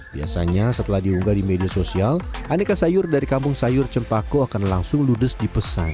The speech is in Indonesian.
biasanya setelah diunggah di media sosial aneka sayur dari kampung sayur cempako akan langsung ludes dipesan